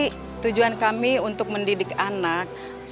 jadi tujuan kami untuk mendidik anaknya